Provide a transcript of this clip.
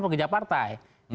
atau kerja partai